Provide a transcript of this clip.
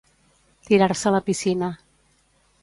Tirar-se a la piscina.